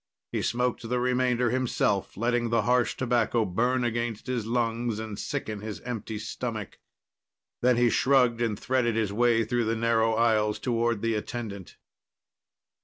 He smoked the remainder himself, letting the harsh tobacco burn against his lungs and sicken his empty stomach. Then he shrugged and threaded his way through the narrow aisles toward the attendant.